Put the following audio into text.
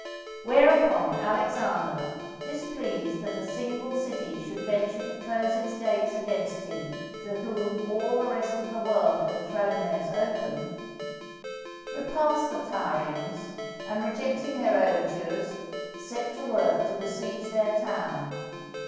Whereupon, Alexander, displeased that a single city should venture to close its gates against him to whom all the rest of the world had thrown theirs open, repulsed the Tyrians, and rejecting their overtures set to work to besiege their town.